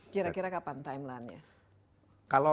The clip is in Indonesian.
kira kira kapan timelinenya